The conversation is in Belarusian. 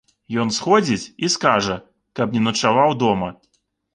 Ён сходзіць і скажа, каб не начаваў дома.